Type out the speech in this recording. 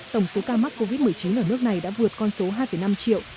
tổng số ca mắc covid một mươi chín ở nước này đã vượt con số hai năm triệu